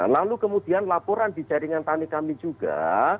lalu kemudian laporan di jaringan tani kami juga